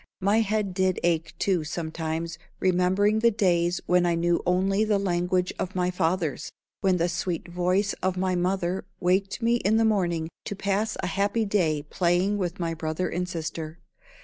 My head did ache, too, sometimes, remembering the days when I knew only the language of my fathers, when the sweet voice of my mother waked me in the morning to pass a happy day playing with my brother and sister.